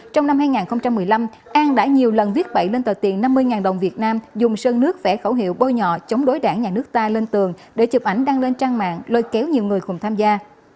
trong năm hai nghìn một mươi năm an đã nhiều lần viết bậy lên tờ tiền năm mươi đồng việt nam dùng sơn nước vẽ khẩu hiệu bôi nhọ chống đối đảng nhà nước ta lên tường để chụp ảnh đăng lên trang mạng lôi kéo nhiều người cùng tham gia